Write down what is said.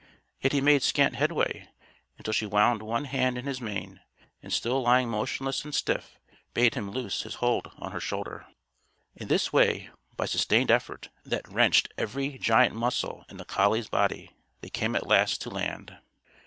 Yet he made scant headway, until she wound one hand in his mane, and, still lying motionless and stiff, bade him loose his hold on her shoulder. In this way, by sustained effort that wrenched every giant muscle in the collie's body, they came at last to land.